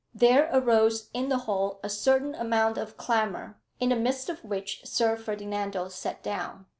There arose in the hall a certain amount of clamour, in the midst of which Sir Ferdinando sat down.